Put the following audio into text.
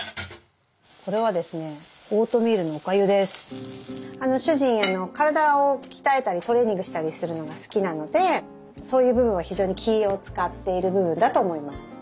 これはですね主人体を鍛えたりトレーニングしたりするのが好きなのでそういう部分は非常に気を遣っている部分だと思います。